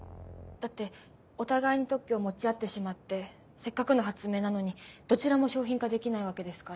だってお互いに特許を持ち合ってしまってせっかくの発明なのにどちらも商品化できないわけですから。